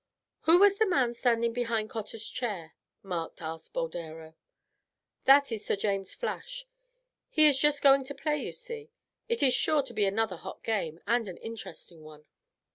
"Who was the man standing behind Cotter's chair?" Mark asked Boldero. "That is Sir James Flash. He is just going to play, you see; it is sure to be another hot game, and an interesting one."